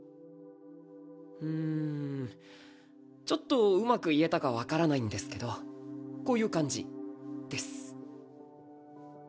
んちょっとうまく言えたか分からないんですけどこういう感じです。